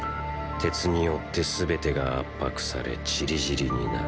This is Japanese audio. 鉄によって全てが圧迫され散り散りになる。